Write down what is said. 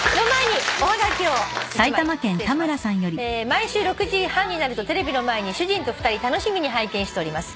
「毎週６時半になるとテレビの前に主人と２人楽しみに拝見しております」